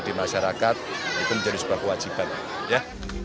di masyarakat itu menjadi sebuah kewajiban ya